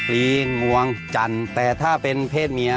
ลีงวงจันทร์แต่ถ้าเป็นเพศเมีย